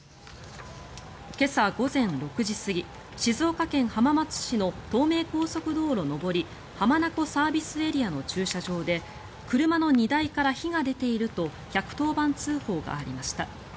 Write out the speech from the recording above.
今朝午前６時過ぎ静岡県浜松市の東名高速道路上り浜名湖ＳＡの駐車場で車の荷台から火が出ていると１１０番通報がありました。